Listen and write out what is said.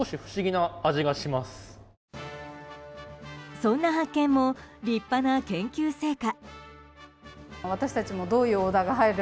そんな発見も立派な研究成果。